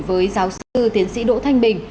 với giáo sư tiến sĩ đỗ thanh bình